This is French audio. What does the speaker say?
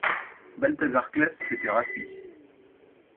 Balthazar Claës s'était rassis.